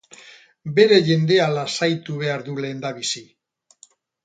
Bere jendea lasaitu behar du lehendabizi.